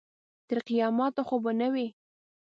تر قیامته خو به نه وي.